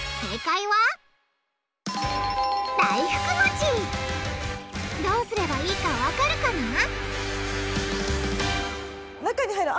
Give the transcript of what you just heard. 正解はどうすればいいかわかるかな？